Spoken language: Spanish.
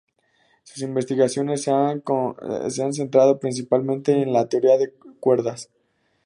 Sus investigaciones se han centrado principalmente en la teoría de cuerdas.